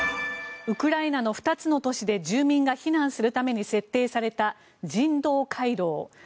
ウクライナの２つの都市で住民が避難するために設定された人道回廊。